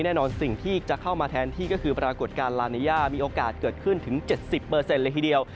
แน่นอนสิ่งที่จะเข้ามาแทนที่ก็คือปรากฏการณ์ลานีย่ามีโอกาสเกิดขึ้นถึง๗๐เลยทีเดียว